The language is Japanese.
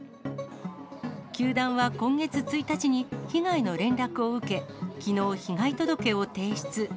球団は今月１日に被害の連絡を受け、きのう、被害届を提出。